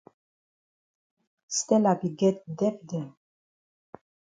Stella be get debt dem.